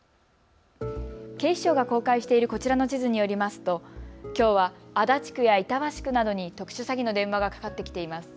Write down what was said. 警視庁が公開しているこちらの地図によりますときょうは足立区や板橋区などに特殊詐欺の電話がかかってきています。